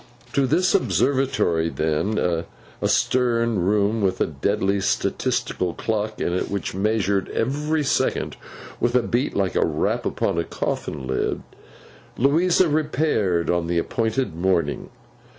To this Observatory, then: a stern room, with a deadly statistical clock in it, which measured every second with a beat like a rap upon a coffin lid; Louisa repaired on the appointed morning.